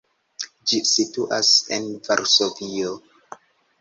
Ĝi situas en Varsovio.